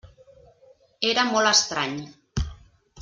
Era molt estrany.